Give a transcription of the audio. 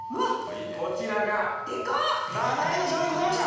こちらが７位の商品ございました。